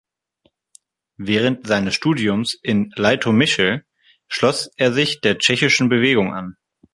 Während seines Studiums in Leitomischl schloss er sich der tschechischen Bewegung an.